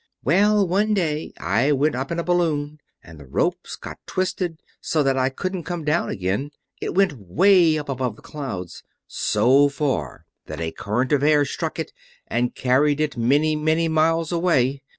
"Well, one day I went up in a balloon and the ropes got twisted, so that I couldn't come down again. It went way up above the clouds, so far that a current of air struck it and carried it many, many miles away.